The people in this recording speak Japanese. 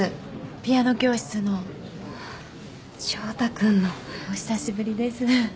ピアノ教室の翔太君のお久しぶりです